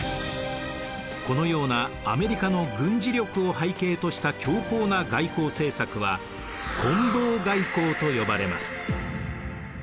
このようなアメリカの軍事力を背景とした強硬な外交政策はこん棒外交と呼ばれます。